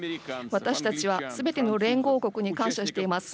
私たちはすべての連合国に感謝しています。